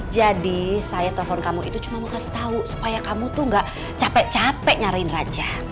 jadi saya telepon kamu itu cuma mau kasih tahu supaya kamu tuh gak capek capek nyariin raja